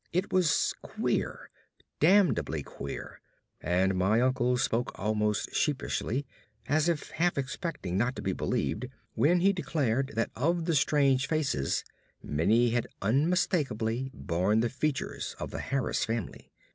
It was queer damnably queer and my uncle spoke almost sheepishly, as if half expecting not to be believed, when he declared that of the strange faces many had unmistakably borne the features of the Harris family.